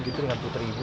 dengan putri ibu